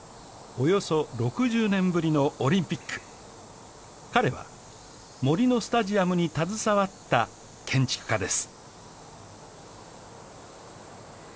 およそ６０年ぶりのオリンピック彼は杜のスタジアムに携わった建築家です